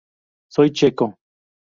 Soy checo.